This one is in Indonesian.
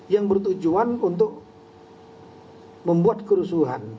yang bertujuan untuk membuat kerusuhan